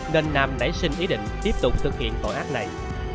nên nam nảy sinh ý định tiếp tục thực hiện tội ác này